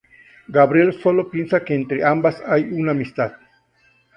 Gabriel sólo piensa que entre ambas hay una amistad.